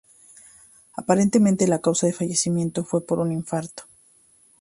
Aparentemente la causa de fallecimiento fue por un infarto.